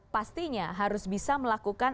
pastinya harus bisa melakukan